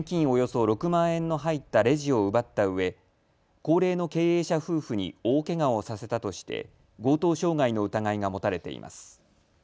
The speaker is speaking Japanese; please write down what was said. およそ６万円の入ったレジを奪ったうえ、高齢の経営者夫婦に大けがをさせたとして強盗傷害の疑いが持たれています。